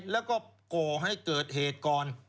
ละก็โกหให้เกิดเหตุกอน